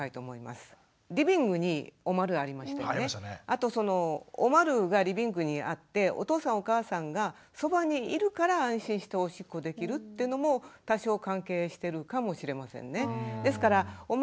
あとそのおまるがリビングにあってお父さんお母さんがそばにいるから安心しておしっこできるというのも多少関係してるかもしれませんね。